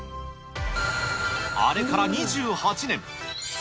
あれから２８年。